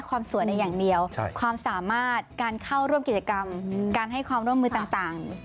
ความสามารถการเข้าร่วมกิจกรรมการให้ความร่วมเมื่อต่าง